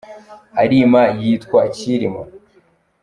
arima yitwa Cyilima.